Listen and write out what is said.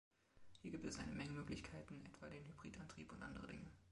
Hier gibt es eine Menge Möglichkeiten, etwa den Hybridantrieb und andere Dinge.